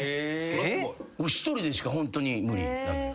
俺一人でしかホントに無理なのよ。